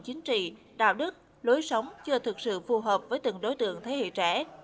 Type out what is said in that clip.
chính trị đạo đức lối sống chưa thực sự phù hợp với từng đối tượng thế hệ trẻ